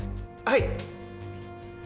はい。